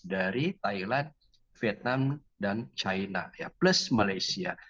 dari thailand vietnam dan china ya plus malaysia